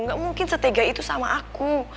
gak mungkin setega itu sama aku